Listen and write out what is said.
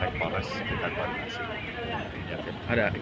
jadi kita evaluasi kita cek sama kepala sekolah